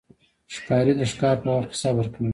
ښکاري د ښکار په وخت کې صبر کوي.